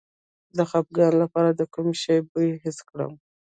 د خپګان لپاره د کوم شي بوی حس کړم؟